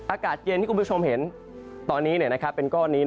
อากาศเย็นที่คุณผู้ชมเห็นตอนนี้เป็นก้อนนี้